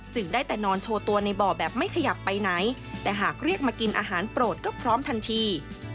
ได้แต่นอนโชว์ตัวในบ่อแบบไม่ขยับไปไหนแต่หากเรียกมากินอาหารโปรดก็พร้อมทันที